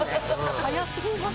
速すぎます。